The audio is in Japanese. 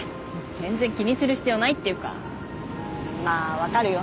全然気にする必要ないっていうかまあわかるよ